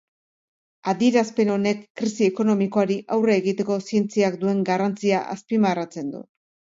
Adierazpen honek krisi ekonomikoari aurre egiteko zientziak duen garrantzia azpimarratzen du.